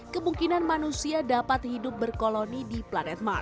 kemungkinan manusia dapat hidup berkoloni di planet mark